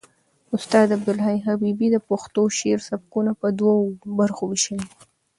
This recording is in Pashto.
استاد عبدالحی حبیبي د پښتو شعر سبکونه په دوو برخو وېشلي دي.